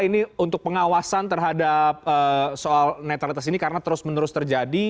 ini untuk pengawasan terhadap soal netralitas ini karena terus menerus terjadi